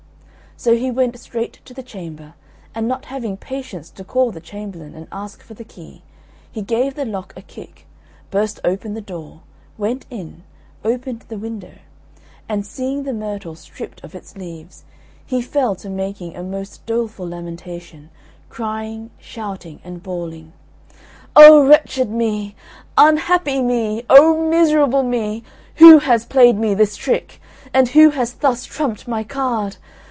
So he went straight to the chamber, and not having patience to call the chamberlain and ask for the key, he gave the lock a kick, burst open the door, went in, opened the window, and seeing the myrtle stript of its leaves, he fell to making a most doleful lamentation, crying, shouting, and bawling, "O wretched me! unhappy me! O miserable me! Who has played me this trick? and who has thus trumped my card?